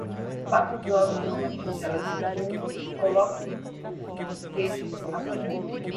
Bata os ovos em uma tigela de fundo, coloque-os e despeje a cebola.